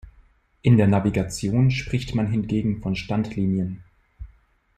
In der Navigation spricht man hingegen von Standlinien.